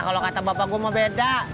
kalo kata bapak gua mau beda